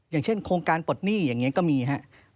อย่างเช่นโครงการปลดหนี้อย่างนี้ก็มีครับ